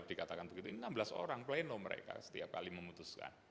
dikatakan begitu ini enam belas orang pleno mereka setiap kali memutuskan